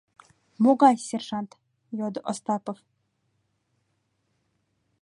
— Могай сержант? — йодо Остапов.